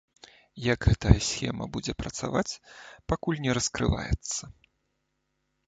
Як гэтая схема будзе працаваць, пакуль не раскрываецца.